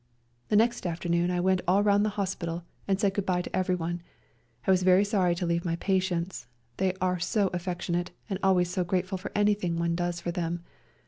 The next afternoon I went all round the hospital and said good bye to everyone ; I was very sorry to leave my patients, they are so affectionate, and always so grateful for anything one does for them.